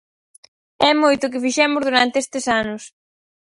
É moito o que fixemos durante estes anos.